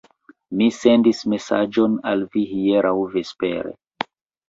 Mi sendis mesaĝon al vi hieraŭ vespere.